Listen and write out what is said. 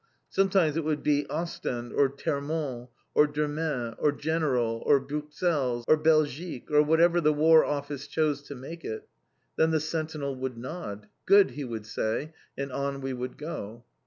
Sometimes it would be "Ostend" or "Termond" or "Demain" or "General" or "Bruxelles" or "Belgique," or whatever the War Office chose to make it. Then the sentinel would nod. "Good," he would say, and on we would go.